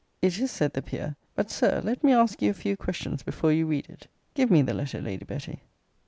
It is, said the Peer: but, Sir, let me ask you a few questions, before you read it give me the letter, Lady Betty.